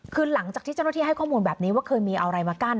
คือหลังจากที่เจ้าหน้าที่ให้ข้อมูลแบบนี้ว่าเคยมีเอาอะไรมากั้น